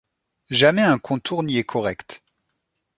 Jamais un contour n’y est correct.